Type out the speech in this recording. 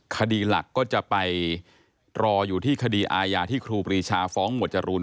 คดีหลักก็จะไปรออยู่ที่คดีอาญาที่ครูปรีชาฟ้องหมวดจรูน